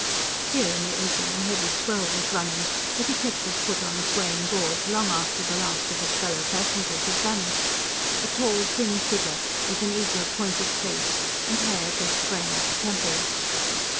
Here, in the open, a heavy swell was running, but he kept his foot on the swaying boards long after the last of his fellow passengers had vanished a tall, thin figure, with an eager, pointed face, and hair just greying at the temples.